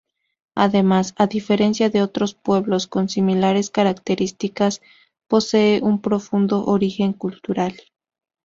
Además, a diferencia de otros pueblos con similares características, posee un profundo origen cultural.